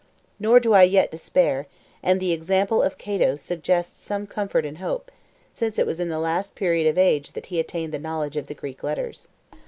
Nor do I yet despair; and the example of Cato suggests some comfort and hope, since it was in the last period of age that he attained the knowledge of the Greek letters."